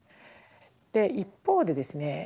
一方でですね